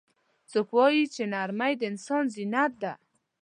څوک وایي چې نرمۍ د انسان زینت ده